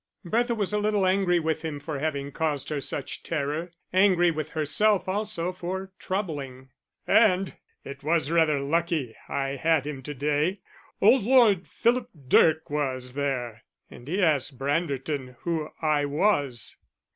Bertha was a little angry with him for having caused her such terror, angry with herself also for troubling. "And it was rather lucky I had him to day. Old Lord Philip Dirk was there, and he asked Branderton who I was.